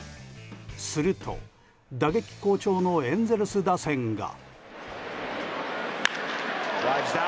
すると打撃好調のエンゼルス打線が。